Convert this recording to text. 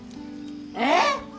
えっ！？